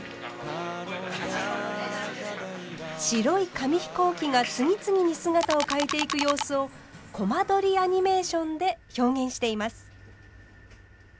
白い紙飛行機が次々に姿を変えていく様子をコマ撮りアニメーションで表現しています。